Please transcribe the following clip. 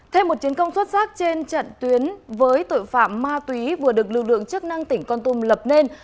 thêm một chiến công xuất sắc trên trận tuyến với tội phạm ma túy vừa được lực lượng chức năng tỉnh con tum lập nên